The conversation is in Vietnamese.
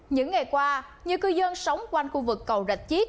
những ngày qua nhiều cư dân sống quanh khu vực cầu rạch chiết